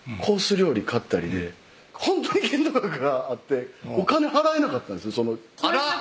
料理買ったりでほんとに限度額があってお金払えなかったんですあらっ！